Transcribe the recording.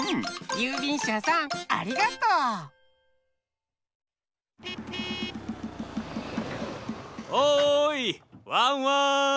ゆうびんしゃさんありがとう！おいワンワーン！